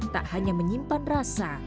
tak hanya menyimpan rasa